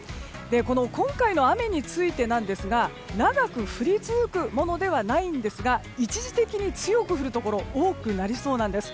今回の雨についてなんですが長く降り続くものではないですが一時的に強く降るところが多くなりそうです。